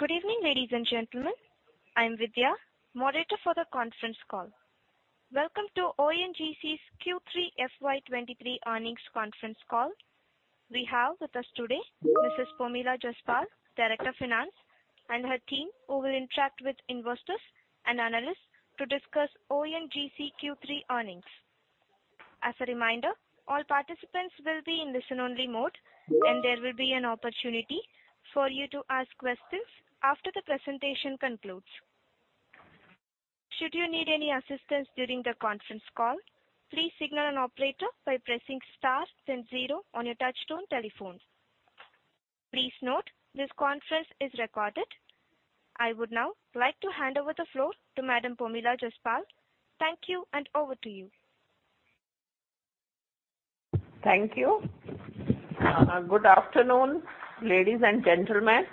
Good evening, ladies and gentlemen. I'm Vidya, moderator for the conference call. Welcome to Oil and Natural Gas Corporation's Q3 FY 2023 earnings conference call. We have with us today Mrs. Pomila Jaspal, Director Finance, and her team, who will interact with investors and analysts to discuss Oil and Natural Gas Corporation Q3 earnings. As a reminder, all participants will be in listen-only mode, and there will be an opportunity for you to ask questions after the presentation concludes. Should you need any assistance during the conference call, please signal an operator by pressing star then zero on your touchtone telephone. Please note, this conference is recorded. I would now like to hand over the floor to Madam Pomila Jaspal. Thank you, and over to you. Thank you. Good afternoon, ladies and gentlemen.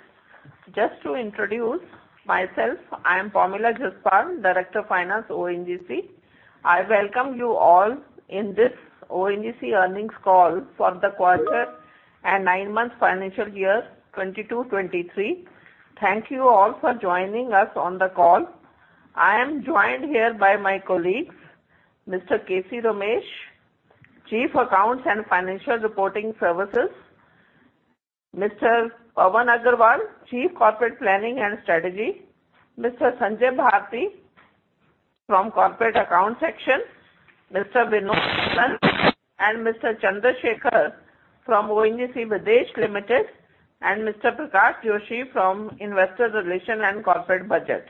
Just to introduce myself, I am Pomila Jaspal, Director Finance, ONGC. I welcome you all in this ONGC earnings call for the quarter and nine-month financial year 2022, 2023. Thank you all for joining us on the call. I am joined here by my colleagues, Mr. K.C. Ramesh, Chief Accounts and Financial Reporting Services, Mr. Pawan Agarwal, Chief Corporate Planning and Strategy, Mr. Sanjay Bharti from Corporate Account section, Mr. Vinod Hallan and Mr. Chandrashekhar from ONGC Videsh Limited, and Mr. Prakash Joshi from Investor Relations and Corporate Budget.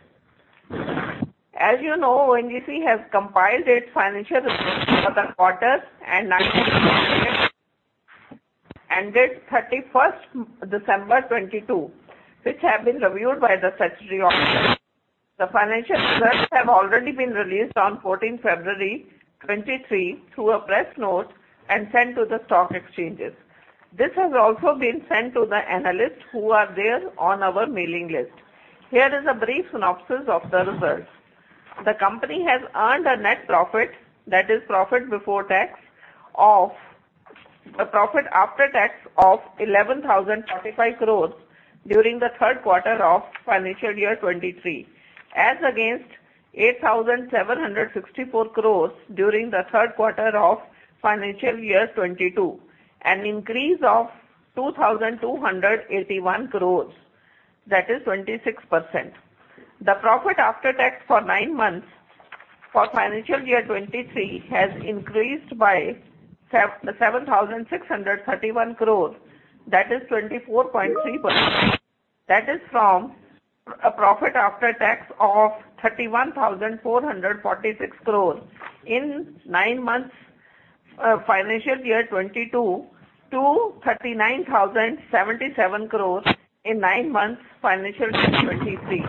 As you know, ONGC has compiled its financial results for the quarter and nine months ended 31st December 2022, which have been reviewed by the statutory office. The financial results have already been released on 14th February 2023 through a press note and sent to the stock exchanges. This has also been sent to the analysts who are there on our mailing list. Here is a brief synopsis of the results. The company has earned a net profit, that is profit before tax, a profit after tax of 11,045 crores during the third quarter of financial year 2023, as against 8,764 crores during the third quarter of financial year 2022, an increase of 2,281 crores, that is 26%. The profit after tax for nine months for financial year 2023 has increased by 7,631 crore, that is 24.3%. That is from a profit after tax of 31,446 crores in nine months, financial year 2022 to 39,077 crores in nine months financial year 2023.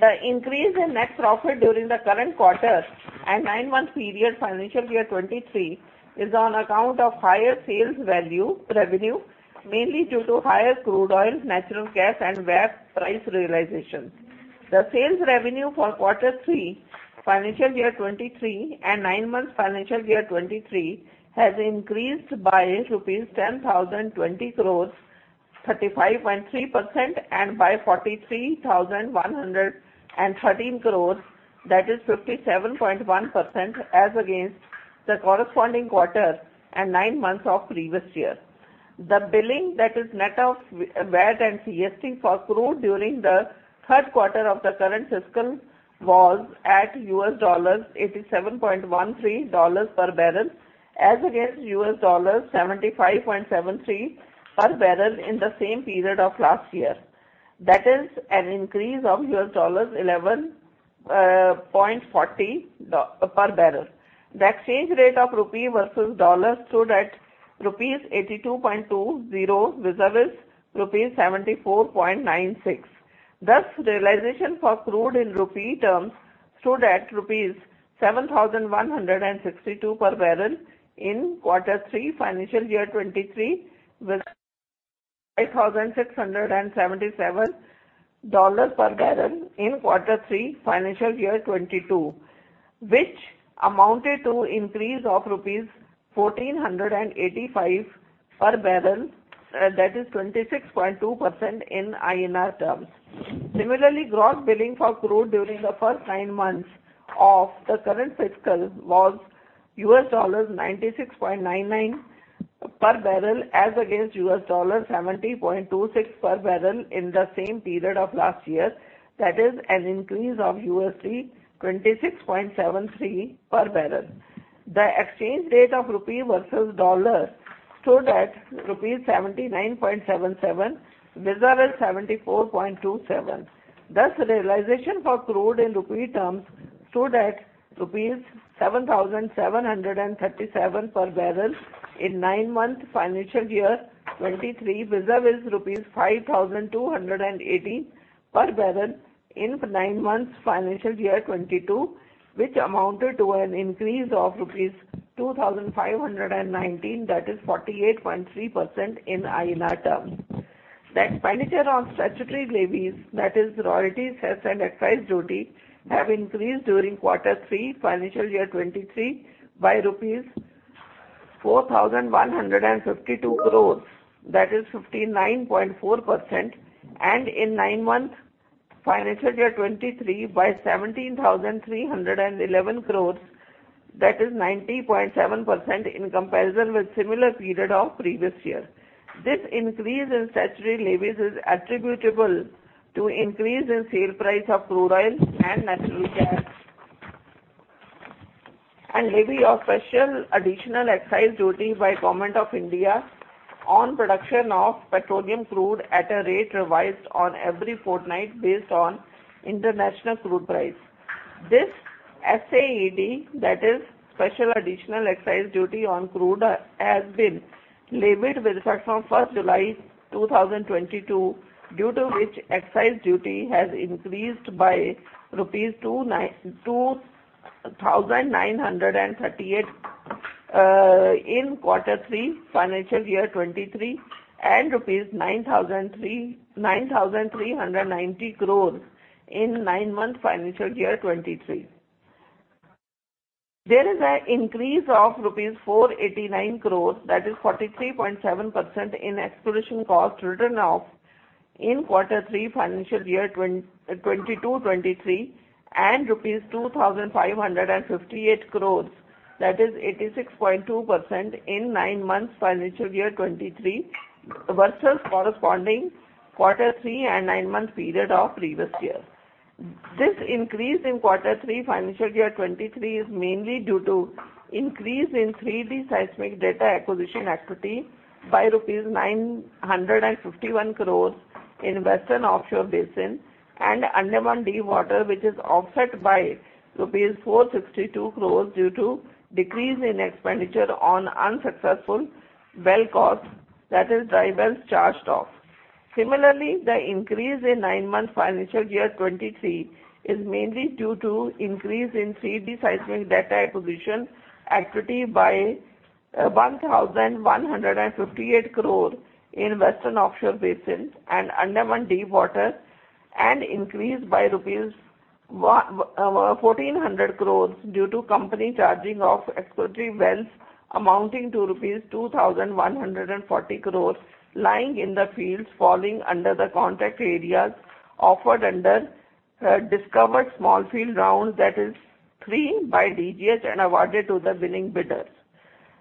The increase in net profit during the current quarter and nine-month period financial year 2023 is on account of higher sales value revenue, mainly due to higher crude oil, natural gas and VAT price realization. The sales revenue for quarter three financial year 2023 and nine months financial year 2023 has increased by rupees 10,020 crore, 35.3% and by 43,113 crore, that is 57.1% as against the corresponding quarter and nine months of previous year. The billing that is net of VAT and CST for crude during the third quarter of the current fiscal was at $87.13 per barrel, as against $75.73 per barrel in the same period of last year. That is an increase of $11.40 per barrel. The exchange rate of Indian rupee versus US dollar stood at rupees 82.20 vis-a-vis rupees 74.96. Thus, realization for crude in Indian rupee terms stood at rupees 7,162 per barrel in quarter three financial year 2023, with $5,677 per barrel in quarter three financial year 2022, which amounted to increase of rupees 1,485 per barrel, that is 26.2% in INR terms. Similarly, gross billing for crude during the first nine months of the current fiscal was $96.99 per barrel as against $70.26 per barrel in the same period of last year. That is an increase of $26.73 per barrel. The exchange rate of rupee versus dollar stood at rupees 79.77 vis-a-vis 74.27. Thus, realization for crude in rupee terms stood at rupees 7,737 per barrel in nine-month financial year 2023, vis-a-vis rupees 5,280 per barrel in nine months financial year 2022, which amounted to an increase of rupees 2,519, that is 48.3% in INR terms. The expenditure on statutory levies, that is royalties, cess, and excise duty, have increased during quarter three financial year 2023 by rupees 4,152 crores. That is 59.4%. In nine months, financial year 2023 by 17,311 crores, that is 90.7% in comparison with similar period of previous year. This increase in statutory levies is attributable to increase in sale price of crude oil and natural gas. Levy of Special Additional Excise Duty by Government of India on production of petroleum crude at a rate revised on every fortnight based on international crude price. This SAED, that is Special Additional Excise Duty on crude, has been levied with effect from 1st July 2022, due to which excise duty has increased by rupees 2,938 in quarter three financial year 23, and rupees 9,390 crores in nine month financial year 2023. There is a increase of rupees 489 crores, that is 43.7%, in exploration cost written off in Q3 financial year 2022-2023, and rupees 2,558 crores, that is 86.2%, in nine months financial year 2023 versus corresponding Q3 and nine-month period of previous year. This increase in Q3 financial year 2023 is mainly due to increase in 3D seismic data acquisition activity by rupees 951 crores in Western Offshore Basin and Andaman Deep Water, which is offset by rupees 462 crores due to decrease in expenditure on unsuccessful well costs, that is dry wells charged off. The increase in nine-month financial year 2023 is mainly due to increase in 3D seismic data acquisition activity by 1,158 crore in Western Offshore Basin and Andaman Deep Water, and increased by rupees 1,400 crores due to company charging off exploratory wells amounting to rupees 2,140 crores lying in the fields falling under the contract areas offered under Discovered Small Field Bid Round that is three by DGH and awarded to the winning bidders.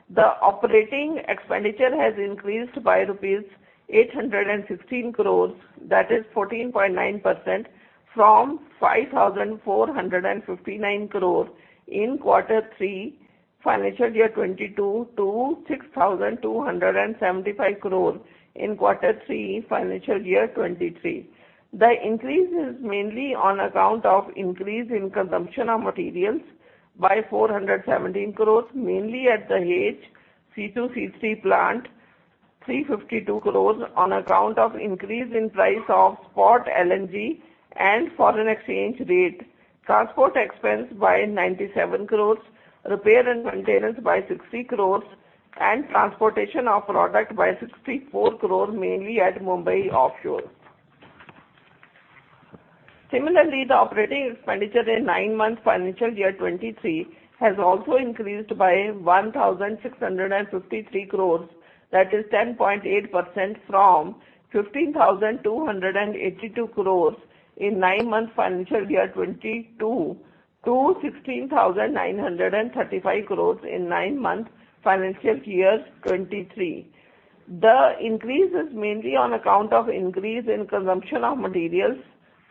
The operating expenditure has increased by rupees 816 crores, that is 14.9%, from 5,459 crore in quarter 3 financial year 2022 to 6,275 crore in Q3 financial year 2023. The increase is mainly on account of increase in consumption of materials by 417 crores, mainly at the Dahej C2-C3 plant, 352 crores on account of increase in price of spot LNG and foreign exchange rate, transport expense by 97 crores, repair and maintenance by 60 crores, and transportation of product by 64 crores, mainly at Mumbai Offshore. Similarly, the operating expenditure in nine-month financial year 2023 has also increased by 1,653 crores, that is 10.8%, from 15,282 crores in nine-month financial year 2022 to 16,935 crores in nine-month financial year 2023. The increase is mainly on account of increase in consumption of materials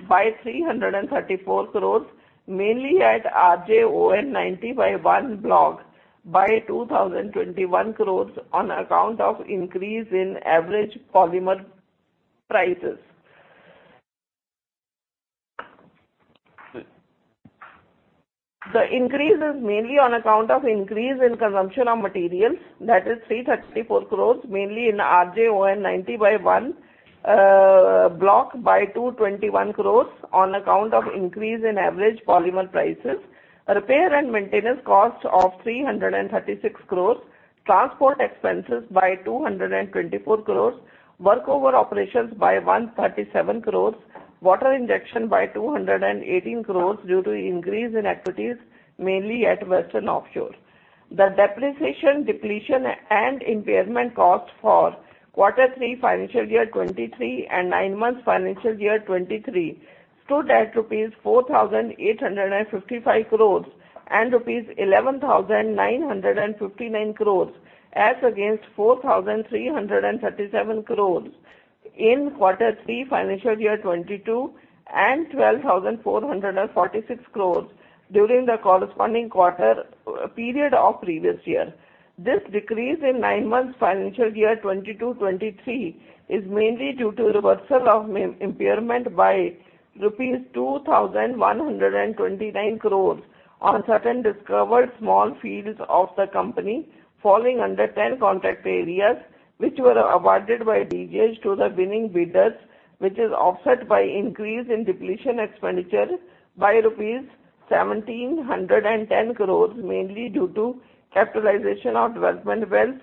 by 334 crores, mainly at RJ-ON-90/1 block by 2,021 crores on account of increase in average polymer prices. The increase is mainly on account of increase in consumption of materials, that is 334 crores, mainly in RJ-ON-90/1 block by 221 crores on account of increase in average polymer prices. Repair and maintenance cost of 336 crores. Transport expenses by 224 crores. Workover operations by 137 crores. Water injection by 218 crores due to increase in activities, mainly at Western Offshore. The depreciation, depletion, and impairment cost for Q3 financial year 2023 and nine months financial year 2023 stood at rupees 4,855 crores and rupees 11,959 crores as against 4,337 crores in Q3 financial year 2022 and 12,446 crores during the corresponding quarter, period of previous year. This decrease in nine months financial year 2022, 2023 is mainly due to reversal of impairment by rupees 2,129 crores on certain Discovered Small Fields of the company falling under 10 contract areas, which were awarded by DGH to the winning bidders. Which is offset by increase in depletion expenditure by rupees 1,710 crores, mainly due to capitalization of development wells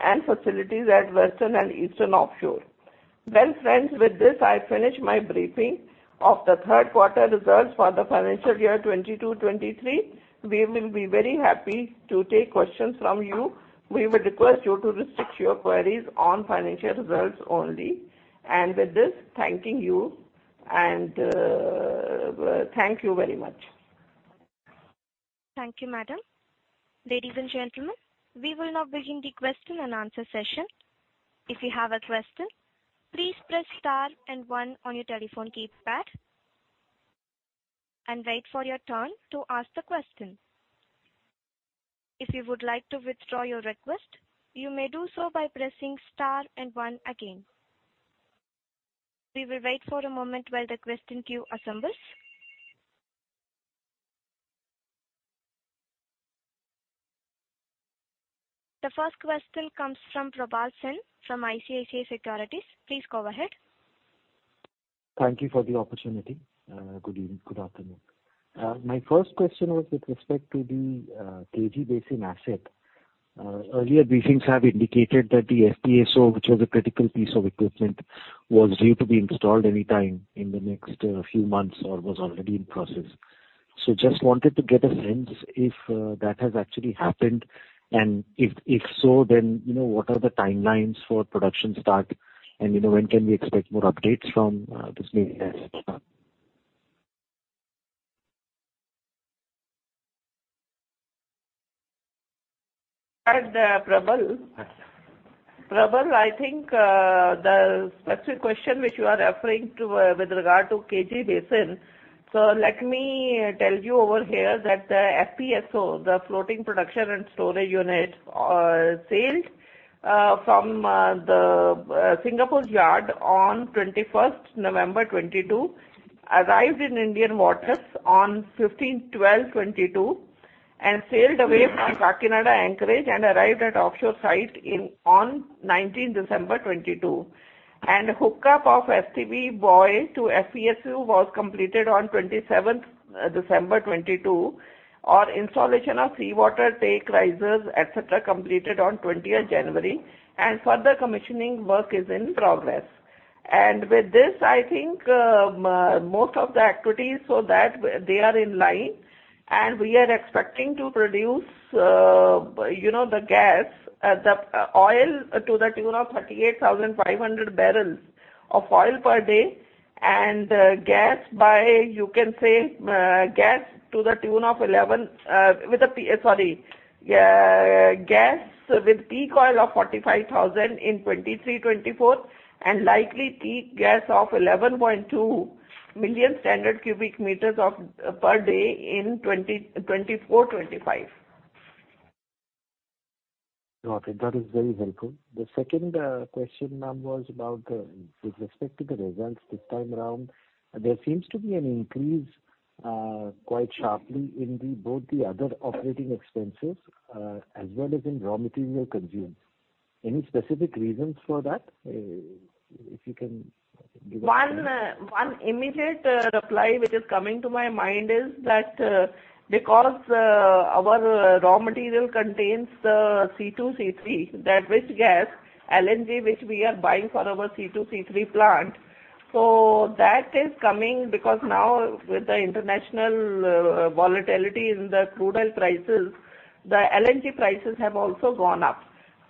and facilities at Western and Eastern offshore. Well, friends, with this, I finish my briefing of the third quarter results for the financial year 2022, 2023. We will be very happy to take questions from you. We would request you to restrict your queries on financial results only. With this, thanking you and, thank you very much. Thank you, Madam. Ladies and gentlemen, we will now begin the question and answer session. If you have a question, please press star and one on your telephone keypad, and wait for your turn to ask the question. If you would like to withdraw your request, you may do so by pressing star and one again. We will wait for a moment while the question queue assembles. The first question comes from Probal Sen from ICICI Securities. Please go ahead. Thank you for the opportunity. Good evening, good afternoon. My first question was with respect to the KG Basin asset. Earlier briefings have indicated that the FPSO, which was a critical piece of equipment, was due to be installed any time in the next few months or was already in process. Just wanted to get a sense if that has actually happened, and if so, then, you know, what are the timelines for production start? When can we expect more updates from this meeting? Prabal. Yes. Probal, I think, the specific question which you are referring to, with regard to KG Basin. Let me tell you over here that the FPSO, the floating production and storage unit, sailed from the Singapore yard on 21st November 2022, arrived in Indian waters on 15 December 2022, and sailed away from Kakinada anchorage and arrived at offshore site in, on 19 December 2022. Hookup of STP buoy to FPSO was completed on 27th December 2022. Our installation of seawater take risers, et cetera, completed on 20th January, and further commissioning work is in progress. With this, I think, most of the activities so that they are in line and we are expecting to produce, you know, the gas, the oil to the tune of 38,500 barrels of oil per day and gas by, you can say, gas to the tune of 11, gas with peak oil of 45,000 in 2023, 2024 and likely peak gas of 11.2 million standard cubic meters per day in 2024, 2025. Okay. That is very helpful. The second question, ma'am, was about with respect to the results this time around, there seems to be an increase quite sharply in the, both the other operating expenses, as well as in raw material consumed. Any specific reasons for that? One immediate reply which is coming to my mind is that because our raw material contains the C2, C3, that rich gas, LNG, which we are buying for our C2, C3 plant. That is coming because now with the international volatility in the crude oil prices, the LNG prices have also gone up.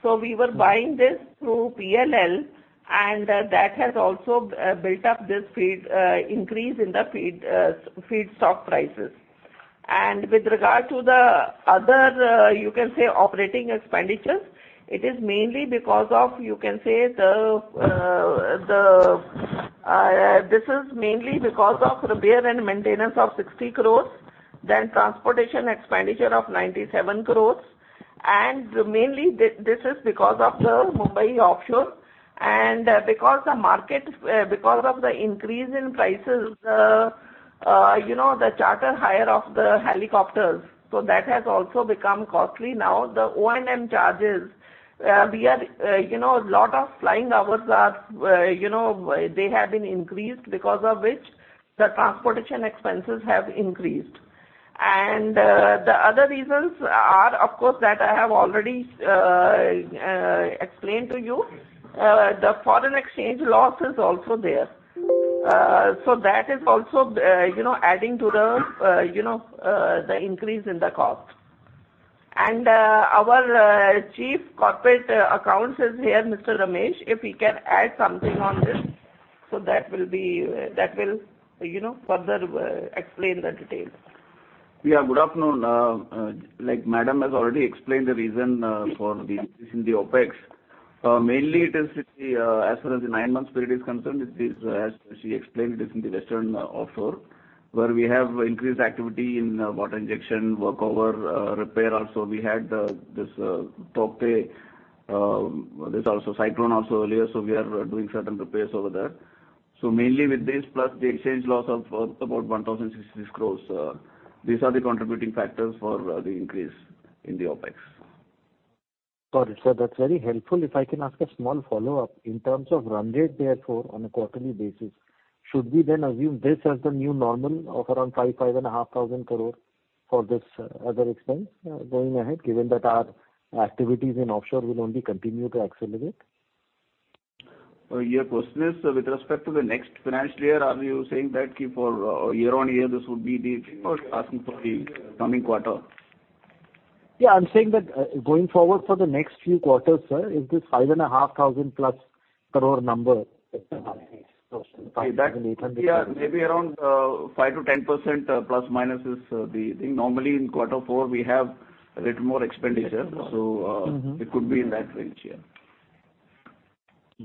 We were buying this through PLL, and that has also built up this feed increase in the feed feedstock prices. With regard to the other, you can say, operating expenditures, it is mainly because of, you know, you can say the, this is mainly because of repair and maintenance of 60 crore, then transportation expenditure of 97 crore. Mainly this is because of the Mumbai offshore. Because the market, because of the increase in prices, you know, the charter hire of the helicopters. That has also become costly now. The O&M charges, we are, you know, lot of flying hours are, you know, they have been increased because of which the transportation expenses have increased. The other reasons are, of course, that I have already explained to you. The foreign exchange loss is also there. That is also, you know, adding to the, you know, the increase in the cost. Our Chief Corporate Accounts is here, Mr. Ramesh, if he can add something on this. That will, you know, further explain the details. Good afternoon. Like Madam has already explained the reason for the increase in the OpEx. Mainly it is with the, as far as the nine-month period is concerned, it is as she explained, it is in the Western offshore, where we have increased activity in water injection, work over, repair also. We had this Tauktae, there's also cyclone also earlier, we are doing certain repairs over there. Mainly with this, plus the exchange loss of about 1,066 crores, these are the contributing factors for the increase in the OpEx. Got it. That's very helpful. If I can ask a small follow-up. In terms of run rate therefore on a quarterly basis, should we then assume this as the new normal of around 5,500 crore for this other expense going ahead, given that our activities in offshore will only continue to accelerate? Your question is with respect to the next financial year, are you saying that key for year-on-year, this would be the first passing for the coming quarter? I'm saying that, going forward for the next few quarters, sir, is this five and a half thousand plus crore number That yeah, maybe around 5% to 10%+- is the thing. Normally in quarter four, we have a little more expenditure. Mm-hmm. It could be in that range, yeah.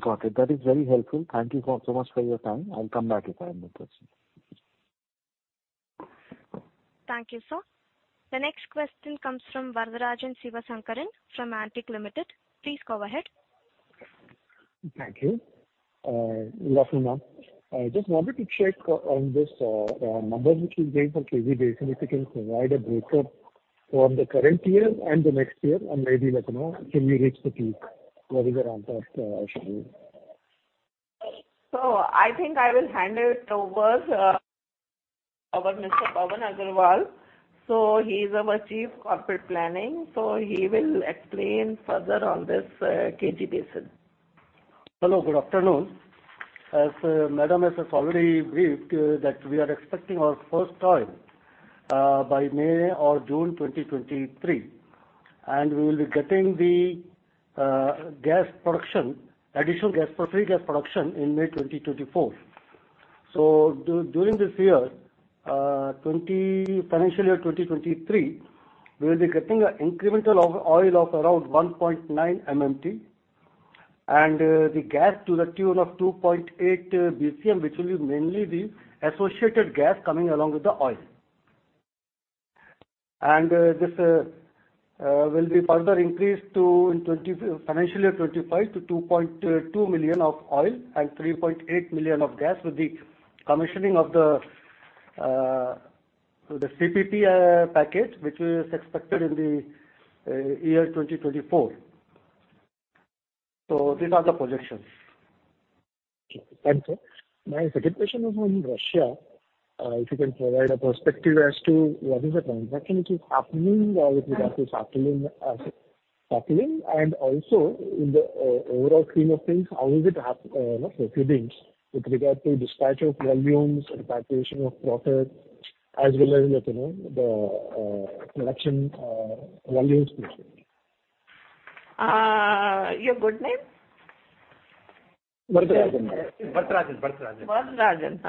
Got it. That is very helpful. Thank you so much for your time. I'll come back if I have more questions. Thank you, sir. The next question comes from Varatharajan Sivasankaran from Antique Stock Broking. Please go ahead. Thank you. Good afternoon, ma'am. I just wanted to check on this number which you gave for KG Basin. If you can provide a breakup from the current year and the next year, and maybe like, you know, can we reach the peak? What is your forecast, Shalu? I think I will hand it over to our Mr. Pawan Agarwal. He is our Chief Corporate Planning. He will explain further on this, KG Basin. Hello, good afternoon. As madam has just already briefed, that we are expecting our first oil by May or June 2023, we will be getting the gas production, additional gas, free gas production in May 2024. During this financial year 2023, we will be getting a incremental of oil of around 1.9 MMT, the gas to the tune of 2.8 BCM, which will be mainly the associated gas coming along with the oil. This will be further increased to in financial year 2025 to 2.2 million of oil and 3.8 million of gas with the commissioning of the CPP package, which is expected in the year 2024. These are the projections. Thank you. My second question is on Russia. If you can provide a perspective as to what is the transaction which is happening with respect to Sakhalin, and also in the overall scheme of things, how is it, you know, proceedings with regard to dispatch of volumes and participation of profit as well as, you know, the production volumes? Your good name? Varadarajan. Varadarajan.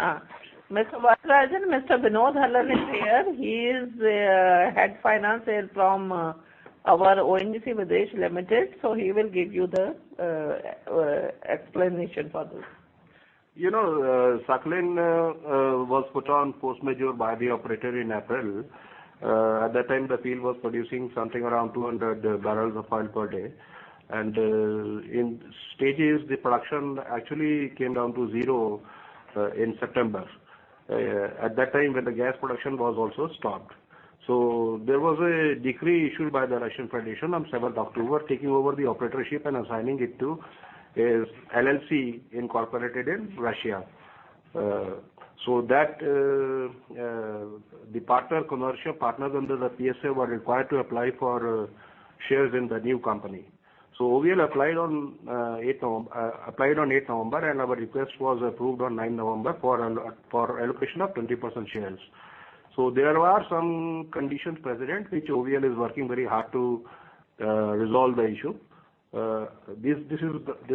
Mr. Varadarajan, Mr. Vinod Hallan is here. He is head finance here from our ONGC Videsh Limited, so he will give you the explanation for this. You know, Sakhalin was put on force majeure by the operator in April. At that time, the field was producing something around 200 barrels of oil per day. In stages, the production actually came down to zero in September. At that time when the gas production was also stopped. There was a decree issued by the Russian Federation on 7th October, taking over the operatorship and assigning it to a LLC incorporated in Russia. That the partner commercial partners under the PSA were required to apply for shares in the new company. OVL applied on 8th November, and our request was approved on 9th November for allocation of 20% shares. There are some conditions precedent, which OVL is working very hard to resolve the issue. This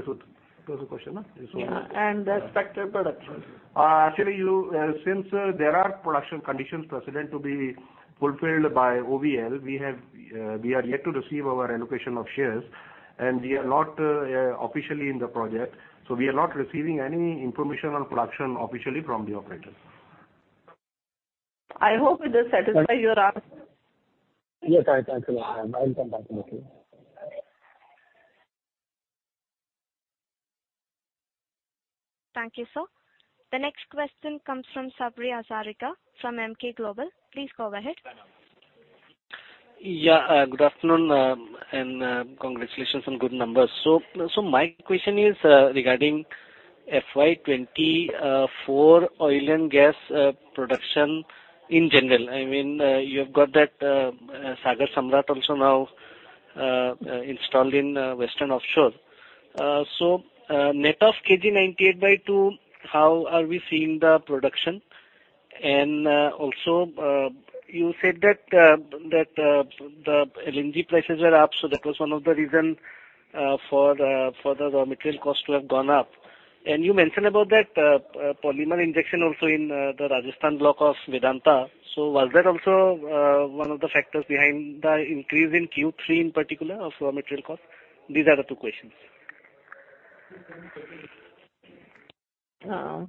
was the question, no? Yeah. Expected production. Actually, you, since there are production conditions precedent to be fulfilled by OVL, we are yet to receive our allocation of shares. We are not officially in the project. We are not receiving any information on production officially from the operators. I hope it does satisfy your answer. Yes, thanks a lot. I will come back to you. Thank you, sir. The next question comes from Sabri Hazarika from Emkay Global. Please go ahead. Good afternoon, congratulations on good numbers. My question is regarding FY 2024 oil and gas production in general. I mean, you have got that Sagar Samrat also now installed in western offshore. Net of KG 98/2, how are we seeing the production? Also, you said that the LNG prices were up, so that was one of the reason for the raw material cost to have gone up. You mentioned about that polymer injection also in the Rajasthan block of Vedanta. Was that also one of the factors behind the increase in Q3 in particular of raw material cost? These are the two questions. Uh.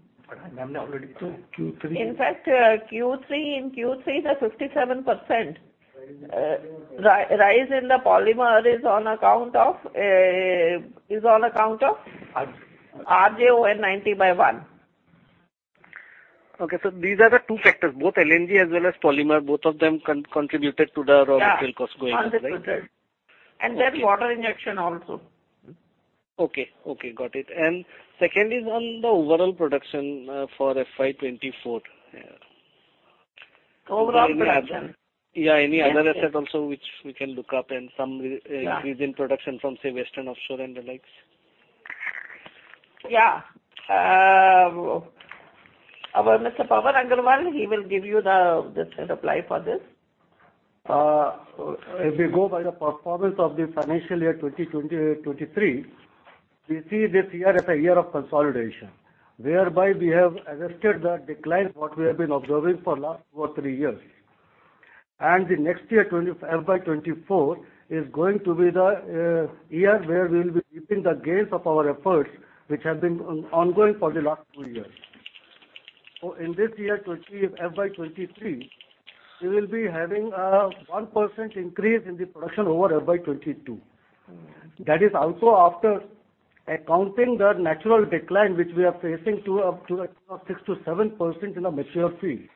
Ma'am, they already told Q3. In fact, Q3, in Q3 the 57% rise in the polymer is on account of? RJ-ON. RJ-ON-90/1. Okay. These are the two factors, both LNG as well as polymer, both of them contributed to the raw material cost going up, right? Yeah. 100%. Water injection also. Okay. Okay, got it. Second is on the overall production for FY 2024. Yeah. Overall production. Yeah. Any other asset also which we can look up and some re-. Yeah. increase in production from, say, Western Offshore and the likes. Our Mr. Pawan Agarwal, he will give you the sort of reply for this. If we go by the performance of the financial year 2023, we see this year as a year of consolidation, whereby we have adjusted the decline what we have been observing for last two or three years. The next year, FY 2024 is going to be the year where we'll be reaping the gains of our efforts, which have been ongoing for the last two years. In this year, FY 2023, we will be having a 1% increase in the production over FY 2022. That is also after accounting the natural decline which we are facing to the tune of 6% to 7% in the mature field.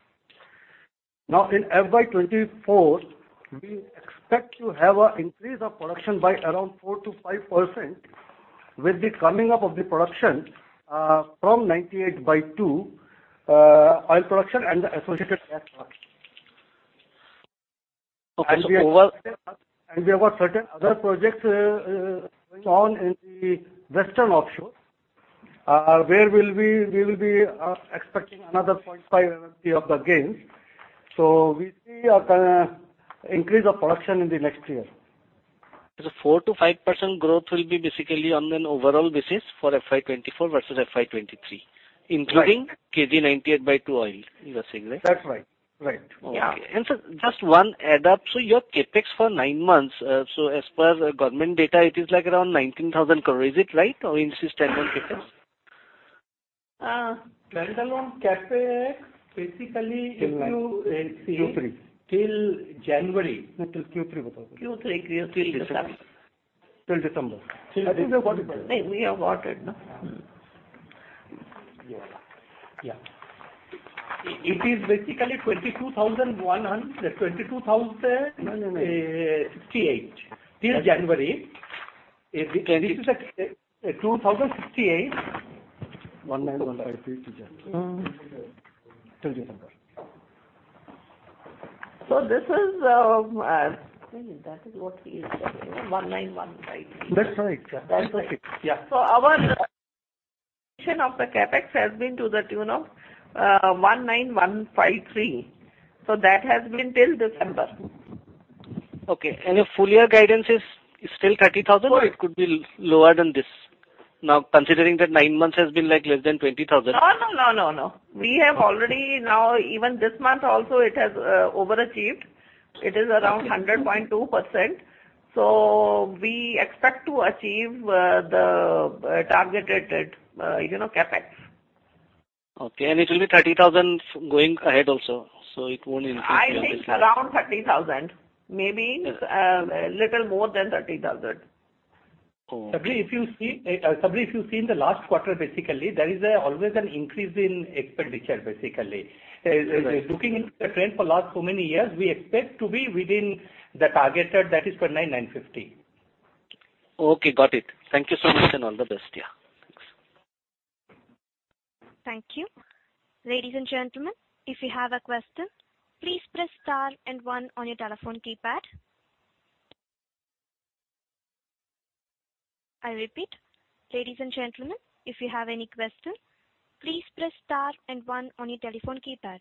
In FY 2024, we expect to have a increase of production by around 4% to 5% with the coming up of the production from 98/2 oil production and the associated gas production. Okay. We have got certain other projects going on in the western offshore, where we will be expecting another 0.5 MMBO of the gains. We see an increase of production in the next year. 4%-5% growth will be basically on an overall basis for FY 2024 versus FY 2023. Right. including KG 98 by 2 oil, you are saying, right? That's right. Right. Yeah. Okay. Just one add up. Your CapEx for nine months, as per the government data, it is like around 19,000 crore. Is it right, or is this 10 more CapEx? Uh- INR 9,000 CapEx, basically if you see. Q3. till January. No, till Q3. Q3. Q3 December. Till December. I think we have got it. No, we have got it now. Yeah. It is basically 22,100, 22,068. Till January. This is a 2,068. 19,153 till January. Mm-hmm. Till December. This is, Wait, that is what he is telling, 19,153. That's right. That's right. Yeah. Our of the CapEx has been to the tune of 19,153. That has been till December. Okay. Your full year guidance is still 30,000? No. It could be lower than this? Now, considering that nine months has been, like, less than 20,000. No, no, no. We have already now, even this month also it has overachieved. It is around 100.2%. We expect to achieve the targeted, you know, CapEx. Okay. It will be 30,000 going ahead also. It won't increase beyond this, right? I think around 30,000. Maybe, a little more than 30,000. Oh. Sabri, if you see, Sabri, if you've seen the last quarter, basically, there is always an increase in expenditure, basically. Right. Looking into the trend for last so many years, we expect to be within the targeted that is for 99.50. Okay, got it. Thank you so much and all the best. Yeah. Thanks. Thank you. Ladies and gentlemen, if you have a question, please press star and one on your telephone keypad. I repeat. Ladies and gentlemen, if you have any question, please press star and one on your telephone keypad.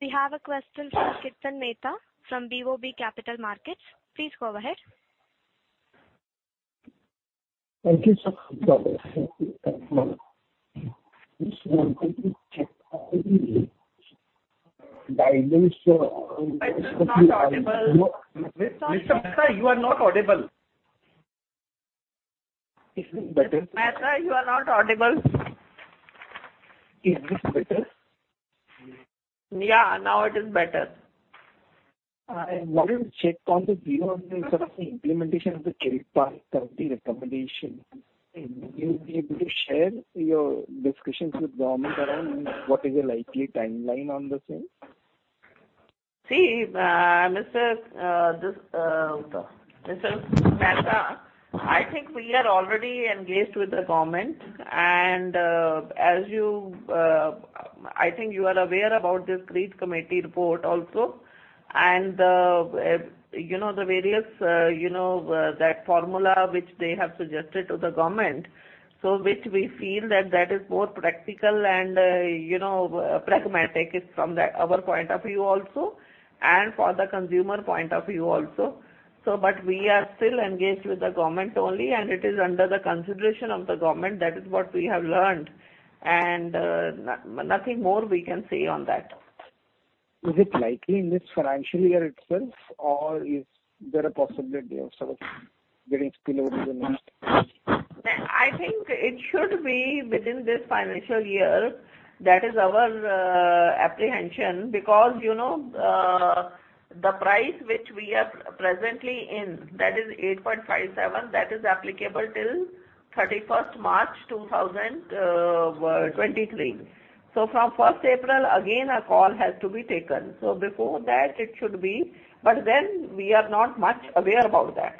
We have a question from Kirtan Mehta from BOB Capital Markets. Please go ahead. Thank you. It's not audible. Mr. Mehta, you are not audible. Is this better? Mr. Mehta, you are not audible. Is this better? Yeah. Now it is better. I wanted to check on the view on the sort of the implementation of the CEPA committee recommendation. Will you be able to share your discussions with government around what is your likely timeline on the same? See, Mr. Mehta, I think we are already engaged with the government. As you, I think you are aware about this CEPA committee report also. You know, the various, you know, that formula which they have suggested to the government, so which we feel that that is more practical and, you know, pragmatic is from our point of view also and for the consumer point of view also. But we are still engaged with the government only, and it is under the consideration of the government. That is what we have learnt, and nothing more we can say on that. Is it likely in this financial year itself, or is there a possibility of sort of getting spilled over the next? I think it should be within this financial year. That is our apprehension. Because, you know, the price which we are presently in, that is $8.57, that is applicable till 31st March 2023. From 1st April, again, a call has to be taken. Before that it should be. We are not much aware about that.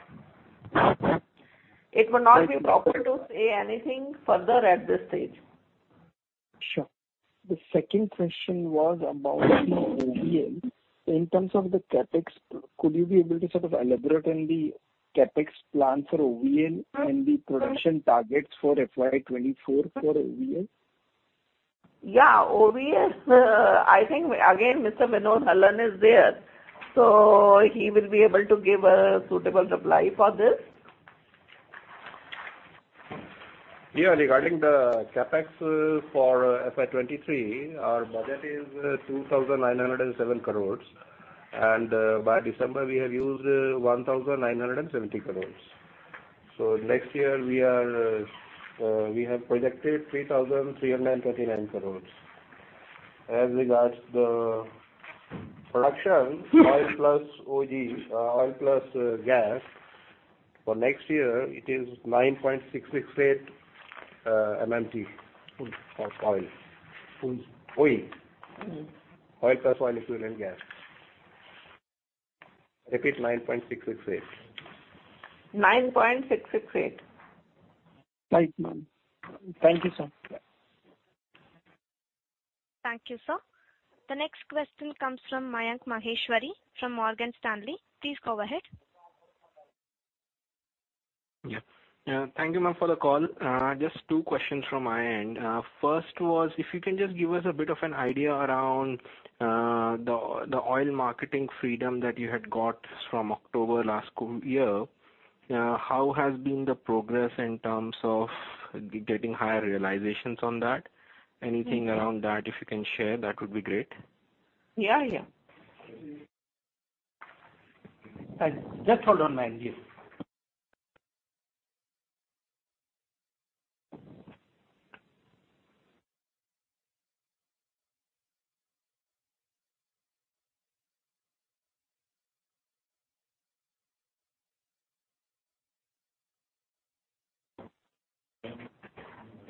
Thank you. It would not be proper to say anything further at this stage. Sure. The second question was about the OVL. In terms of the CapEx, could you be able to sort of elaborate on the CapEx plan for OVL and the production targets for FY 2024 for OVL? Yeah, OVL, I think again, Mr. Vinod Hallan is there, so he will be able to give a suitable reply for this. Regarding the CapEx for FY 2023, our budget is 2,907 crores, and by December, we have used 1,970 crores. Next year, we have projected 3,339 crores. As regards the production, oil plus O&G, oil plus gas, for next year it is 9.668 MMT of oil. O&G. OE. Mm-hmm. Oil plus oil equivalent gas. Repeat 9.668. Nine point six six eight. Right, ma'am. Thank you, sir. Thank you, sir. The next question comes from Mayank Maheshwari from Morgan Stanley. Please go ahead. Yeah. Yeah. Thank you, ma'am, for the call. Just two questions from my end. First was, if you can just give us a bit of an idea around the oil marketing freedom that you had got from October last year. How has been the progress in terms of getting higher realizations on that? Anything around that, if you can share, that would be great. Yeah, yeah. Just hold on, Mayank, please.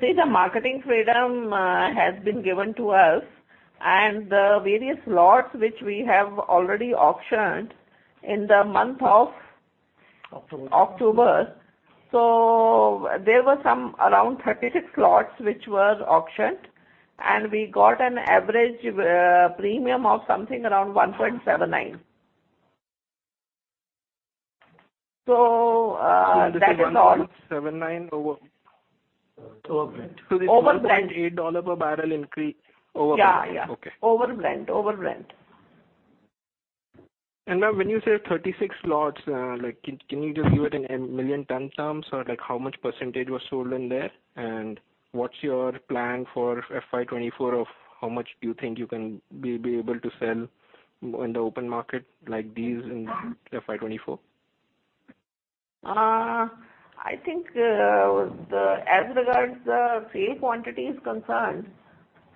See, the marketing freedom has been given to us, and the various lots which we have already auctioned in the month of. October. October. There were some around 36 slots which were auctioned, and we got an average premium of something around 1.79. That is all. Ma'am this is 1.79 over? Over Brent. Over Brent. This is $1.8/barrel increase over Brent? Yeah, yeah. Okay. Over Brent. Ma'am, when you say 36 slots, like, can you just give it in million ton terms or, like how much % was sold in there? What's your plan for FY 2024 of how much do you think you can be able to sell in the open market like these in FY 2024? I think, as regards the sale quantity is concerned,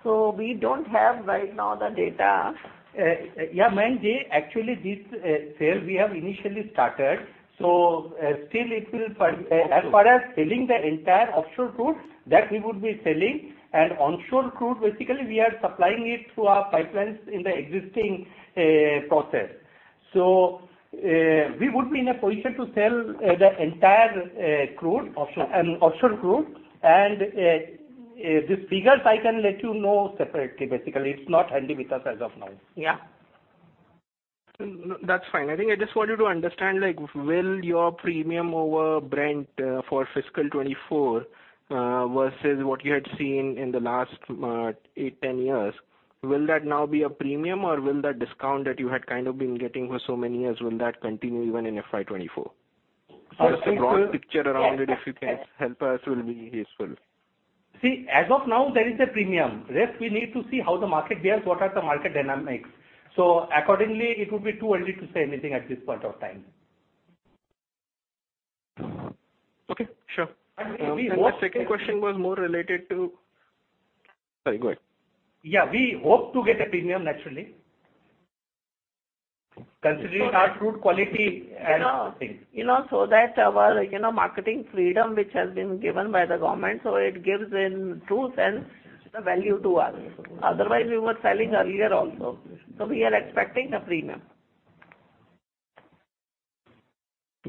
we don't have right now the data. Yeah, Mayank, actually this, sale we have initially started, so, still it will. Okay. as far as selling the entire offshore crude that we would be selling. onshore crude, basically we are supplying it through our pipelines in the existing process. we would be in a position to sell the entire crude. Offshore. offshore crude. The figures I can let you know separately, basically. It's not handy with us as of now. Yeah. That's fine. I think I just wanted to understand, like, will your premium over Brent, for fiscal 2024, versus what you had seen in the last eight, 10 years, will that now be a premium or will the discount that you had kind of been getting for so many years, will that continue even in FY 2024? I think. Just a broad picture around it, if you can help us, will be useful. See, as of now there is a premium. Rest we need to see how the market behaves, what are the market dynamics. Accordingly, it would be too early to say anything at this point of time. Okay. Sure. And we hope- The second question was more related to... Sorry. Go ahead. Yeah. We hope to get a premium, naturally, considering our crude quality and. You know, that our, you know, marketing freedom, which has been given by the government, it gives in true sense the value to us. Otherwise, we were selling earlier also. We are expecting a premium.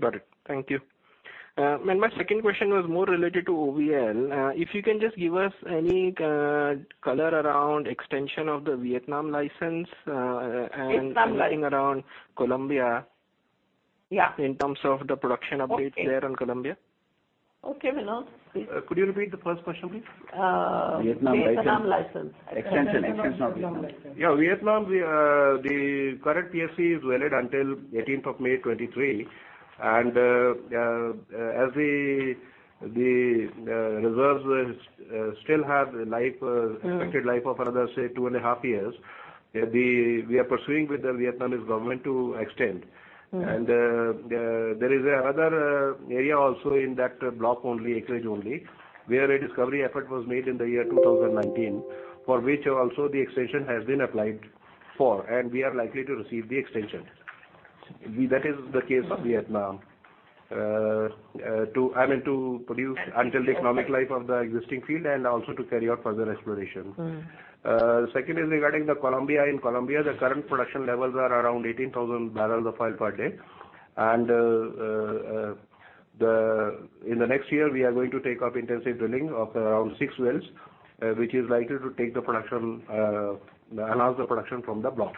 Got it. Thank you. ma'am, my second question was more related to OVL. If you can just give us any color around extension of the Vietnam license. Vietnam license. anything around Colombia Yeah. in terms of the production updates there in Colombia. Okay, Vinod, please. Could you repeat the first question, please? Uh. Vietnam license. Vietnam license. Extension. Extension of Vietnam license. Yeah, Vietnam, we, the current PSC is valid until 18th of May 2023. As the reserves still have an expected life of another, say, two and a half years, we are pursuing with the Vietnamese government to extend. There is another area also in that block only, acreage only, where a discovery effort was made in the year 2019, for which also the extension has been applied for, and we are likely to receive the extension. That is the case of Vietnam. I mean, to produce until the economic life of the existing field and also to carry out further exploration. Second is regarding the Colombia. In Colombia, the current production levels are around 18,000 barrels of oil per day. In the next year we are going to take up intensive drilling of around six wells, which is likely to take the production, enhance the production from the block.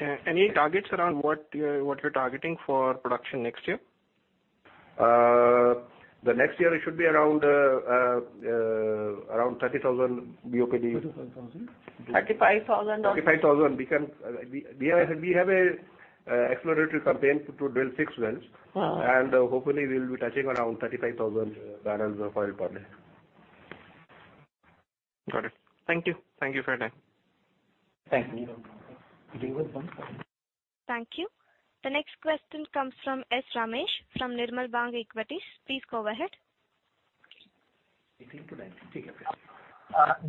Yeah. Any targets around what you're targeting for production next year? The next year it should be around 30,000 BOPD. 35,000. 35,000? 35,000. We have a exploratory campaign to drill 6 wells. Hopefully we'll be touching around 35,000 barrels of oil per day. Got it. Thank you. Thank you for your time. Thank you. Thank you. The next question comes from S. Ramesh from Nirmal Bang Equities. Please go ahead. In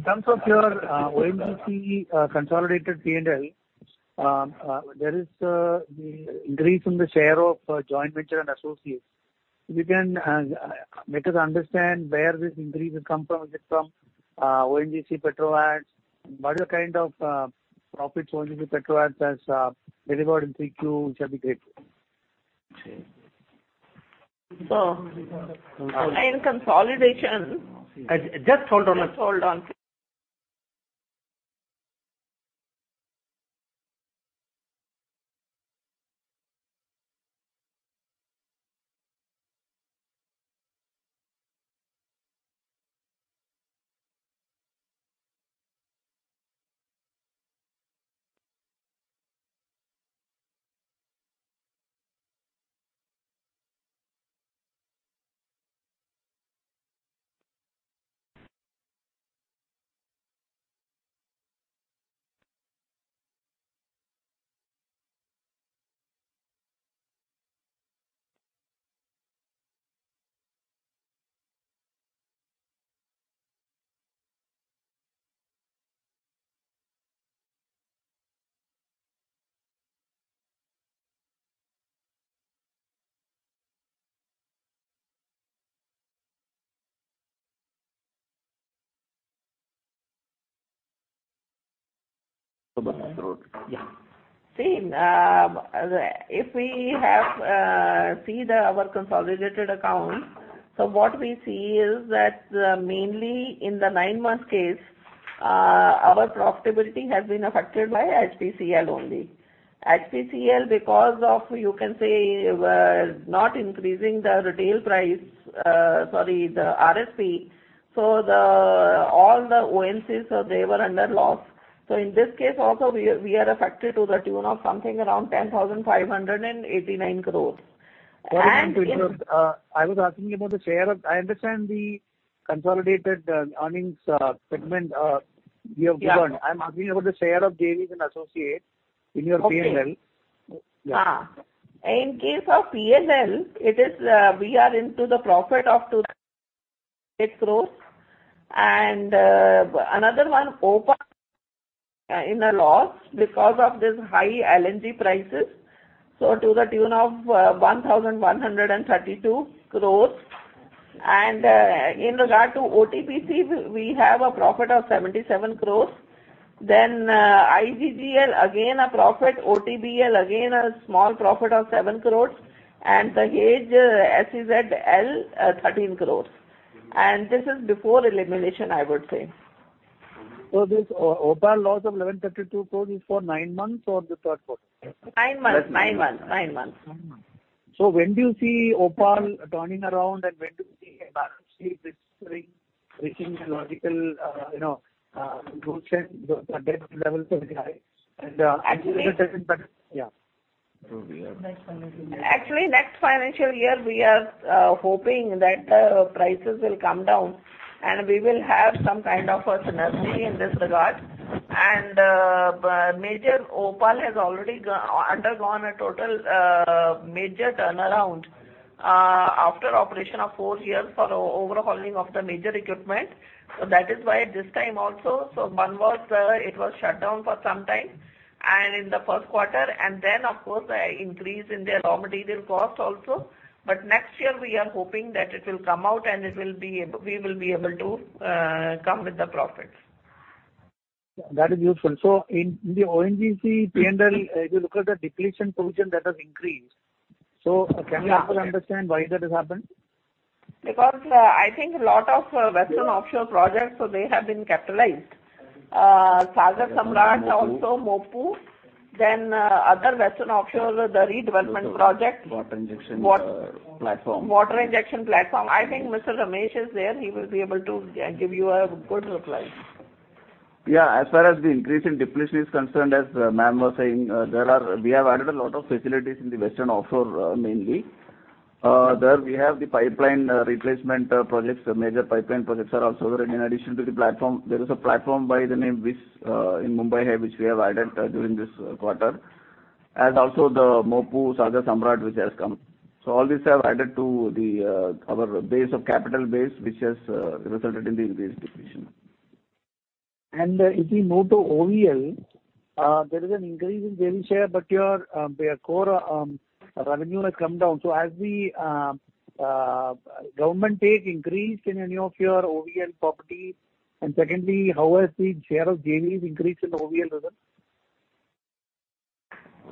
terms of your ONGC consolidated P&L, there is the increase in the share of joint venture and associates. If you can make us understand where this increase has come from? Is it from ONGC Petro additions? What kind of profits ONGC Petro additions has delivered in 3Q, which will be great? So in consolidation- Just hold on. Just hold on. See, if we have our consolidated account, what we see is that mainly in the nine months case, our profitability has been affected by HPCL only. HPCL because of, you know, not increasing the retail price, sorry, the RSP. All the ONGCs, they were under loss. In this case also we are affected to the tune of something around 10,589 crore. I was asking about the share of... I understand the consolidated earnings segment you have given. Yeah. I'm asking about the share of JVs and associates in your P&L. Okay. Yeah. In case of P&L, it is, we are into the profit of 2 crores. Another one OPaL in a loss because of this high LNG prices, to the tune of 1,132 crores. In regard to OTPC, we have a profit of 77 crores. IGGL again a profit, OTBL again a small profit of 7 crores, and the SEZL, 13 crores. This is before elimination, I would say. This OPaL loss of 1,132 crores is for nine months or the third quarter? nine months. When do you see OPaL turning around, and when do you see it reaching a logical, you know, sunset? The debt levels are very high. Actually- Yeah. Next financial year, we are hoping that the prices will come down and we will have some kind of a synergy in this regard. Major OPaL has already undergone a total major turnaround after operation of four years for overhauling of the major equipment. That is why this time also, one was, it was shut down for some time, and in the first quarter. Then of course the increase in their raw material cost also. Next year we are hoping that it will come out and it will be we will be able to come with the profits. That is useful. In the ONGC P&L, if you look at the depletion provision, that has increased. Can we also understand why that has happened? I think a lot of Western offshore projects, so they have been capitalized. Sagar Samrat also, MOPU, then, other Western offshore, the redevelopment project. Water injection, platform. Water injection platform. I think Mr. Ramesh is there, he will be able to give you a good reply. As far as the increase in depletion is concerned, as ma'am was saying, we have added a lot of facilities in the Western offshore, mainly. There we have the pipeline replacement projects. The major pipeline projects are also there. In addition to the platform, there is a platform by the name Vis in Mumbai here, which we have added during this quarter. Also the MOPU, Sagar Samrat which has come. All these have added to the our base of capital base, which has resulted in the increased depreciation. If we move to OVL, there is an increase in daily share, but your core revenue has come down. Has the government take increased in any of your OVL properties? Secondly, how has the share of JVs increased in OVL as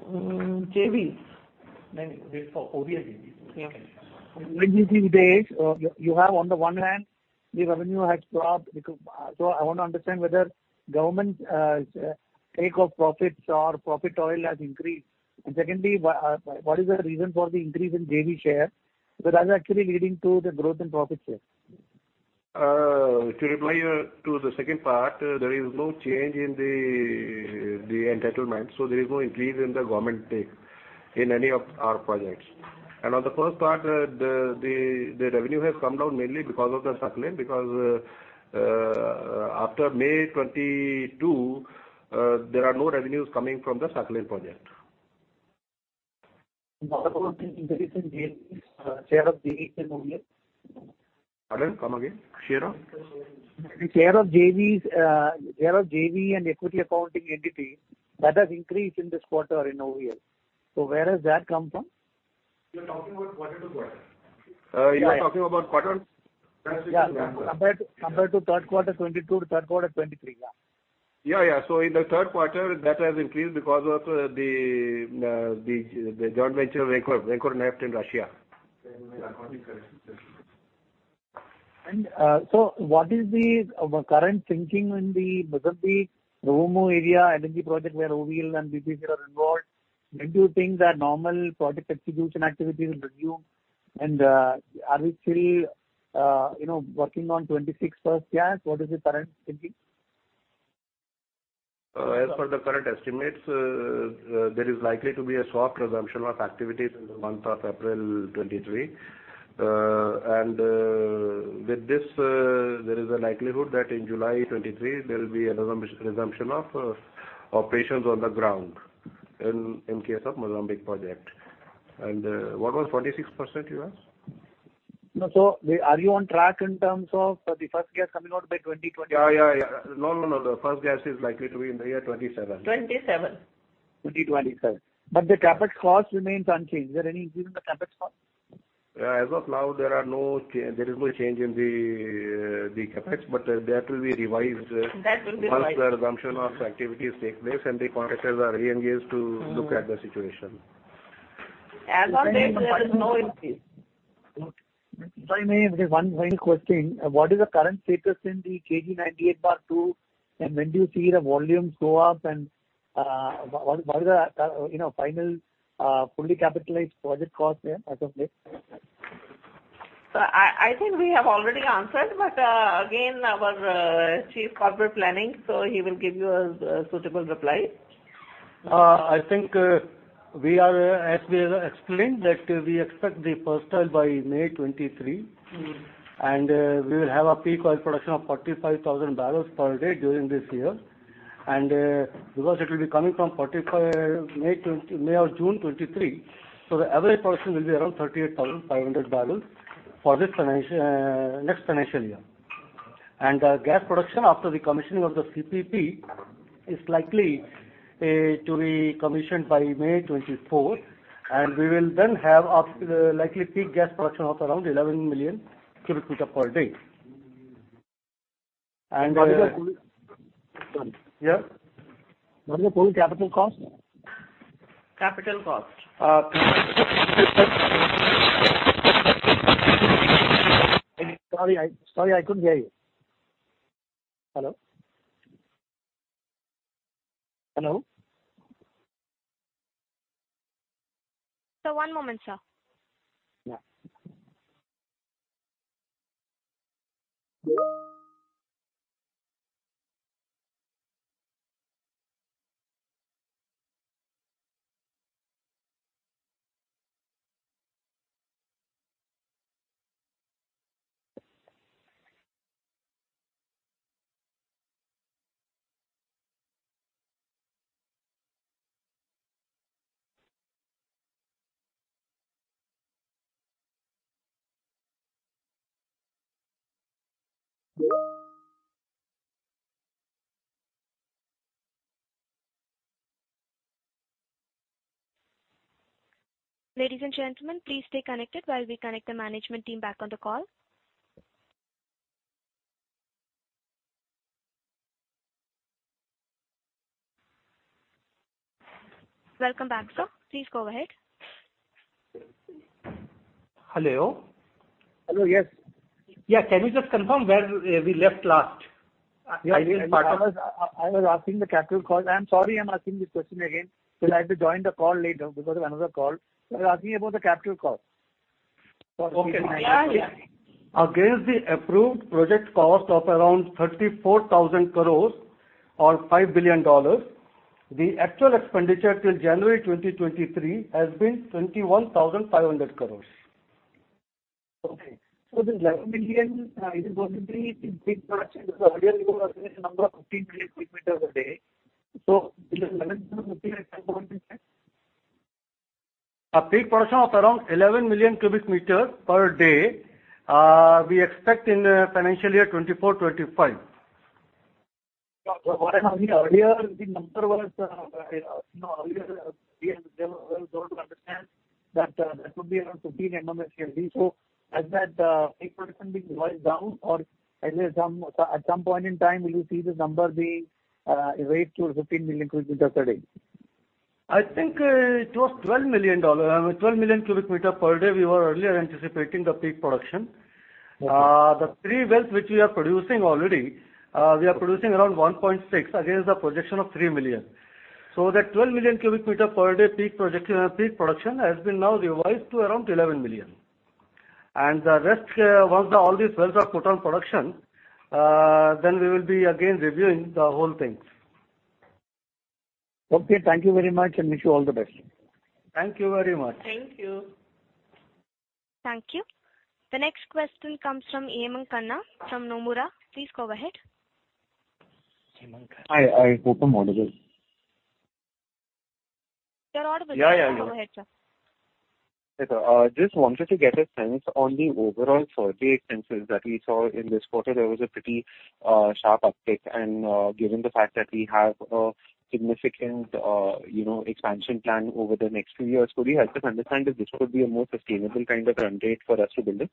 well? JV. No, no. This is for OVL, JV. Okay. When you see this, you have on the one hand the revenue has dropped. I want to understand whether government take of profits or profit oil has increased? Secondly, what is the reason for the increase in JV share? Because that's actually leading to the growth in profit share. To reply to the second part, there is no change in the entitlement, so there is no increase in the government take in any of our projects. On the first part, the revenue has come down mainly because of the Sakhalin, because after May 22, there are no revenues coming from the Sakhalin project. What about the increase in JVs, share of JVs in OVL? Pardon? Come again. Share of? The share of JV and equity accounting entity that has increased in this quarter in OVL. Where has that come from? You're talking about quarter to quarter? Yes. You're talking about quarter? Yeah. Compared to third quarter 2022 to third quarter 2023, yeah. Yeah, yeah. In the third quarter that has increased because of the joint venture with Vankorneft in Russia. What is our current thinking on the Rovuma area energy project where OVL and BPRL are involved? When do you think that normal project execution activity will resume? Are we still, you know, working on 26% gas? What is the current thinking? As per the current estimates, there is likely to be a soft resumption of activities in the month of April 2023. With this, there is a likelihood that in July 2023 there will be a resumption of operations on the ground in case of Mozambique project. What was 46% you asked? Are you on track in terms of the first gas coming out by twenty twenty-? Yeah, yeah. No, no. The first gas is likely to be in the year 2027. 2027. 2027. The CapEx cost remains unchanged. Is there any increase in the CapEx cost? As of now, There is no change in the CapEx, but that will be revised- That will be revised. Once the resumption of activities take place and the contractors are re-engaged to look at the situation. As of date, there is no increase. If I may, just one final question. What is the current status in the KG-98/2? When do you see the volumes go up? What is the, you know, final, fully capitalized project cost there as of date? I think we have already answered, but again, our Chief Corporate Planning, so he will give you a suitable reply. I think, we are, as we have explained, that we expect the first oil by May 2023. We will have a peak oil production of 45,000 barrels per day during this year. Because it will be coming from 45, May or June 2023, the average production will be around 38,500 barrels for next financial year. Gas production after the commissioning of the CPP is likely to be commissioned by May 2024, we will then have up to the likely peak gas production of around 11 million cubic feet per day. What is the total-? Yeah? What is the total capital cost? Capital cost. Uh Sorry, I couldn't hear you. Hello? Sir, one moment, sir. Yeah. Ladies and gentlemen, please stay connected while we connect the management team back on the call. Welcome back, sir. Please go ahead. Hello? Hello. Yes. Yeah. Can you just confirm where we left last? I was asking the capital cost. I am sorry I'm asking this question again, because I had to join the call later because of another call. I was asking about the capital cost. Okay. Yeah, yeah. Against the approved project cost of around 34,000 crores or $5 billion. The actual expenditure till January 2023 has been 21,500 crores. Okay. This 11 million, is it going to be peak production? Because earlier you were saying a number of 15 million cubic meter per day. Will it manage to maintain that point in time? A peak production of around 11 million cubic meters per day, we expect in financial year 2024, 2025. What I heard you earlier, the number was, you know, earlier we were told to understand that would be around 15 MMSCMD. Has that peak production been revised down? At some point in time, will you see this number being raised to 15 million cubic meters a day? I think, it was 12 million cubic meter per day we were earlier anticipating the peak production. Okay. The three wells which we are producing already, we are producing around 1.6 against the projection of three million. That 12 million cubic meters per day peak production has been now revised to around 11 million. The rest, once all these wells are put on production, we will be again reviewing the whole thing. Okay. Thank you very much, and wish you all the best. Thank you very much. Thank you. Thank you. The next question comes from Hemang Khanna from Nomura. Please go ahead. Hemang Khanna. I hope I'm audible. You're audible. Yeah, yeah. Go ahead, sir. Just wanted to get a sense on the overall survey expenses that we saw in this quarter. There was a pretty, sharp uptick, and, given the fact that we have a significant, you know, expansion plan over the next few years. Could we also understand if this could be a more sustainable kind of run rate for us to build it?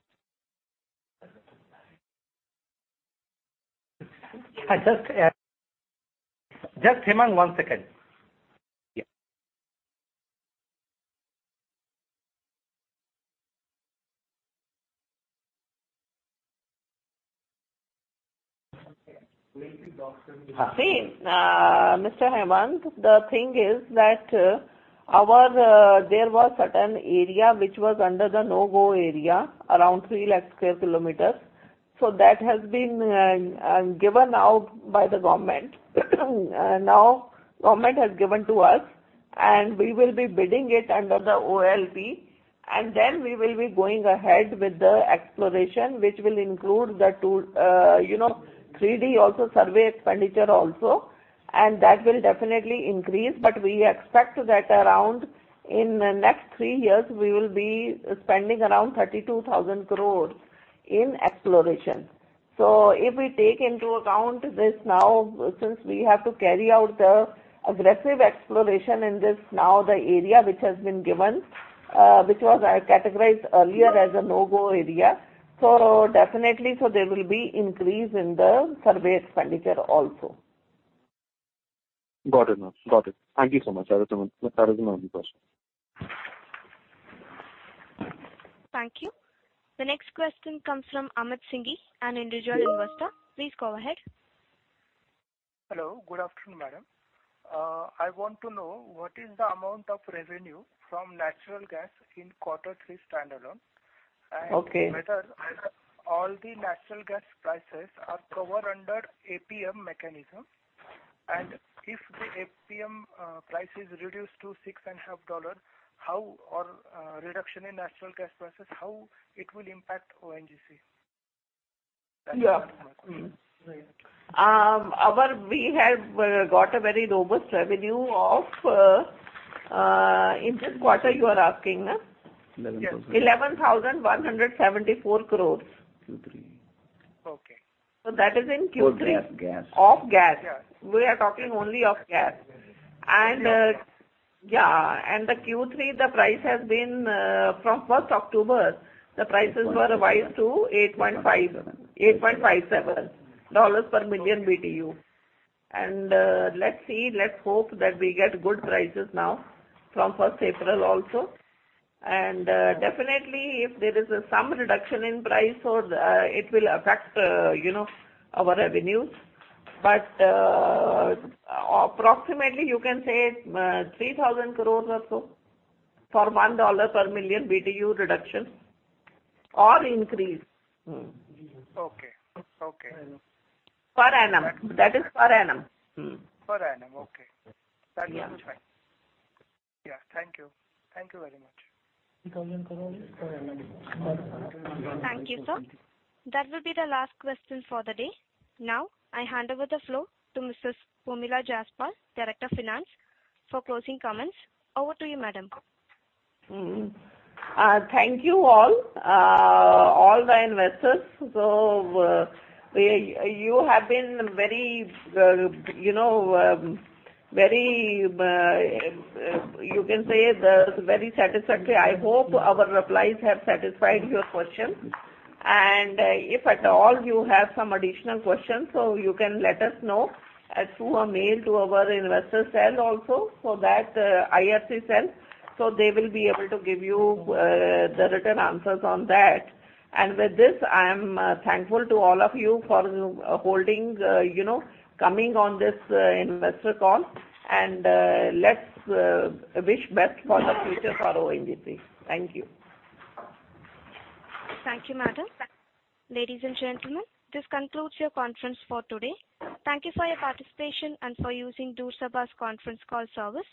Just Hemang, one second. Yeah. Mr. Hemang, the thing is that there was certain area which was under the No-Go area, around 3 lakh sq/km. That has been given out by the government. Now government has given to us, we will be bidding it under the OALP. We will be going ahead with the exploration, which will include the tool, you know, 3D also, survey expenditure also. That will definitely increase. We expect that around in the next 3 years, we will be spending around 32,000 crores in exploration. If we take into account this now, since we have to carry out the aggressive exploration in this now the area which has been given, which was categorized earlier as a No-Go area. Definitely, there will be increase in the survey expenditure also. Got it, ma'am. Got it. Thank you so much. That was my only question. Thank you. The next question comes from Amit Singhi, an individual investor. Please go ahead. Hello. Good afternoon, madam. I want to know what is the amount of revenue from natural gas in quarter three standalone? Okay. Whether all the natural gas prices are covered under APM mechanism? If the APM price is reduced to $6.5, or reduction in natural gas prices, how it will impact ONGC? Yeah. We have got a very robust revenue of in which quarter you are asking, nah? 11,000. 11,174 crores. Q3. Okay. That is in Q3. Of gas. Of gas. Yes. We are talking only of gas. Yeah. The Q3, the price has been from first October, the prices were revised to $8.5, $8.57 per million BTU. Let's see, let's hope that we get good prices now from first April also. Definitely if there is some reduction in price or it will affect, you know, our revenues. Approximately you can say 3,000 crores or so for $1 per million BTU reduction or increase. Okay. Okay. Per annum. That is per annum. Per annum, okay. Yeah. That is fine. Yeah. Thank you. Thank you very much. Thank you, sir. That will be the last question for the day. Now, I hand over the floor to Mrs. Pomila Jaspal, Director Finance, for closing comments. Over to you, madam. Thank you all the investors. You have been very, you know, very, you can say, the very satisfactory. I hope our replies have satisfied your questions. If at all you have some additional questions, you can let us know through a mail to our investor cell also, that IRC cell, they will be able to give you the written answers on that. With this, I am thankful to all of you for holding, you know, coming on this investor call. Let's wish best for the future for ONGC. Thank you. Thank you, madam. Ladies and gentlemen, this concludes your conference for today. Thank you for your participation and for using Door Sabha's conference call service.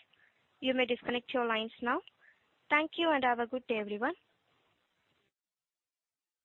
You may disconnect your lines now. Thank you. Have a good day, everyone.